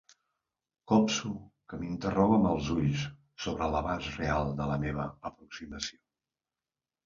Copso que m'interroga amb els ulls sobre l'abast real de la meva aproximació.